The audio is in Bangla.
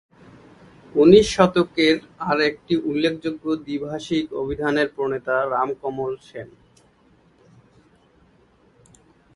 উনিশ শতকের আর একটি উল্লেখযোগ্য দ্বিভাষিক অভিধানের প্রণেতা রামকমল সেন।